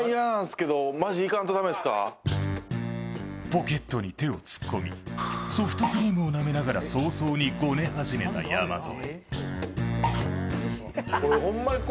ポケットに手を突っ込みソフトクリームをなめながら早々にごねはじめた山添。